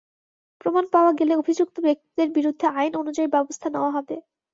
প্রমাণ পাওয়া গেলে অভিযুক্ত ব্যক্তিদের বিরুদ্ধে আইন অনুযায়ী ব্যবস্থা নেওয়া হবে।